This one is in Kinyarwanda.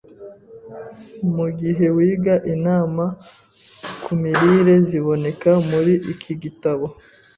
Mu gihe wiga inama ku mirire ziboneka muri iki gitabo,